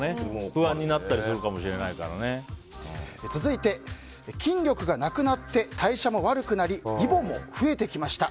不安になったりするかも続いて、筋力がなくなって代謝も悪くなりいぼも増えてきました。